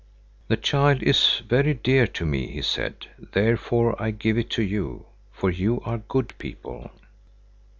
"The child is very dear to me," he said, "therefore I give it to you, for you are good people."